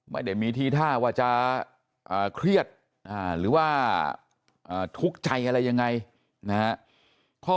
ไม่ได้มีทีท่าว่าจะเครียดหรือว่าทุกข์ใจอะไรยังไงนะฮะ